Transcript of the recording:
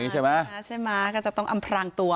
ใช่ไหมก็จะต้องอำพลังตัว